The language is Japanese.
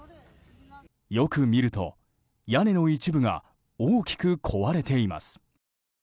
よく見ると、屋根の一部が大きく壊れています。